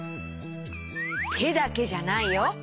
てだけじゃないよ。